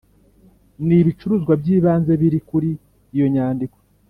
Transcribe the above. N ibicuruzwa by ibanze biri kuri iyo nyandiko